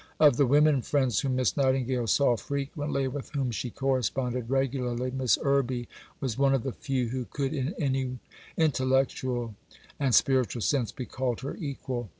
Of the women friends whom Miss Nightingale saw frequently, and with whom she corresponded regularly, Miss Irby was one of the few who could in any intellectual and spiritual sense be called her equal.